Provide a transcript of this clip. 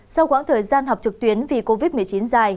sau quãng thời gian học trực tuyến vì covid một mươi chín dài